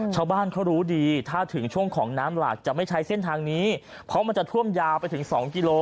ชาวบ้านเขารู้ดีถ้าถึงช่วงของน้ำหลากจะไม่ใช้เส้นทางนี้เพราะมันจะท่วมยาวไปถึงสองกิโล